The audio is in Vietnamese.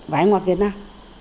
vải ngọt việt nam